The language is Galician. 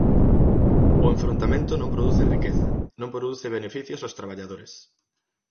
O enfrontamento non produce riqueza, non produce beneficios aos traballadores.